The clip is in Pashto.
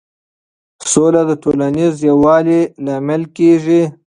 سوله د ټولنیز یووالي لامل کېږي.